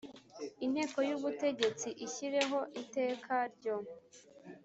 Inteko y'ubutegetsi ishyireho iteka ryo